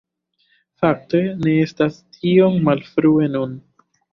Fakte, ne estas tiom malfrue nun